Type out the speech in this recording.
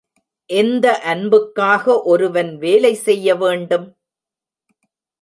எந்த அன்புக்காக ஒருவன் வேலை செய்ய வேண்டும்?